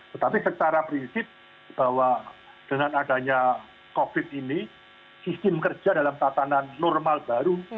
tetapi secara prinsip bahwa dengan adanya covid ini sistem kerja dalam tatanan normal baru